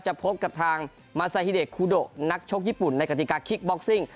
พบกับทางมาซาฮิเดคูโดนักชกญี่ปุ่นในกติกาคิกบ็อกซิ่ง